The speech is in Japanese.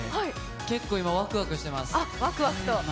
結構今、ワクワクしてます。